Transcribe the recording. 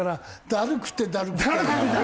「だるくてだるくて」。